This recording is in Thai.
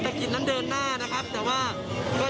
แต่ว่าก็อยากให้ดำเนินกันตามมาตรการพ่องกันโปรวิดสิบเก้า